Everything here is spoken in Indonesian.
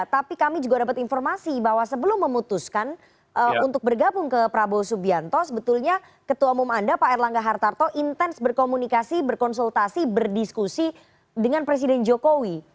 tapi kami juga dapat informasi bahwa sebelum memutuskan untuk bergabung ke prabowo subianto sebetulnya ketua umum anda pak erlangga hartarto intens berkomunikasi berkonsultasi berdiskusi dengan presiden jokowi